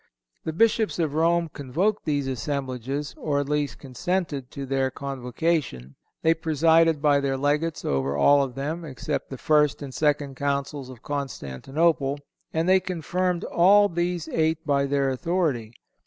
The Bishops of Rome convoked these assemblages, or at least consented to their convocation; they presided by their legates over all of them, except the first and second Councils of Constantinople, and they confirmed all these eight by their authority.